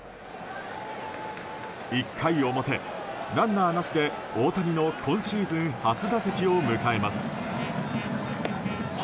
１回表、ランナーなしで大谷の今シーズン初打席を迎えます。